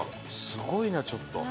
すごいなちょっと。